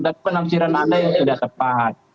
tapi penafsiran anda yang tidak tepat